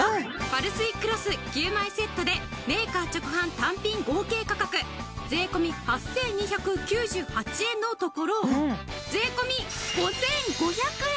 パルスイクロス９枚セットでメーカー直販単品合計価格税込８２９８円のところ税込５５００円。